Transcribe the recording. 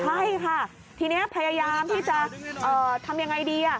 ใช่ค่ะทีนี้พยายามที่จะทำยังไงดี